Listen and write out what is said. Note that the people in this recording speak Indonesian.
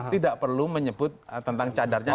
tidak perlu menyebut tentang cadarnya